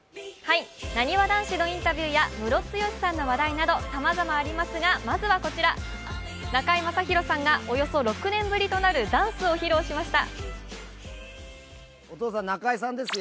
なにわ男子のインタビューやムロツヨシさんの話題などさまざまありますがまずはこちら、中居正広さんがおよそ６年ぶりとなるダンスを披露しました。